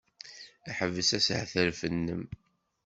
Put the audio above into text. Ḥbes ashetref-nnem!